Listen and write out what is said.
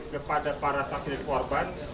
kepada para saksi korban